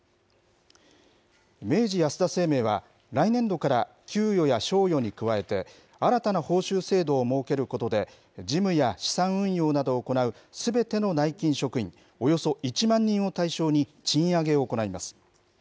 明治安田生命は、来年度から給与や賞与に加えて、新たな報酬制度を設けることで、事務や資産運用などを行うすべての内勤職員およそ１万人を対象に賃上げを行います。